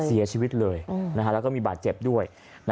เสียชีวิตเลยแล้วก็มีบาดเจ็บด้วย